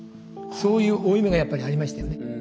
そういう負い目がやっぱりありましたよね。